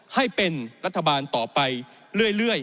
ให้เป็นรัฐบาลต่อไปเรื่อย